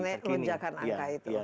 menunjakan angka itu